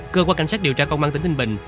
cơ quan cảnh sát điều tra công an tỉnh ninh bình